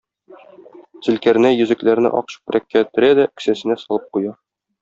Зөлкарнәй йөзекләрне ак чүпрәккә төрә дә кесәсенә салып куя.